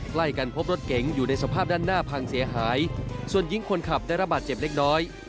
ใกล้กันพบรถเก๋งอยู่ในสภาพด้านหน้าพังเสียหายส่วนหญิงคนขับได้ระบาดเจ็บเล็กน้อย